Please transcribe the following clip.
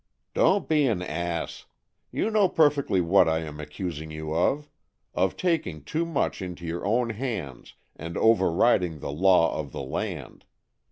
"Don't be an ass. You know perfectly what I am accusing you of — of taking too much into your own hands, and overriding the law of the land.